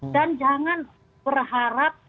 dan jangan berharap